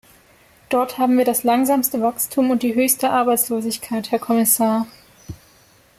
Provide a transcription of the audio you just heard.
Dort haben wir das langsamste Wachstum und die höchste Arbeitslosigkeit, Herr Kommissar.